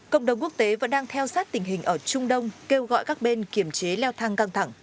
cộng đồng quốc tế vẫn đang theo sát tình hình ở trung đông kêu gọi các bên kiểm chế leo thang căng thẳng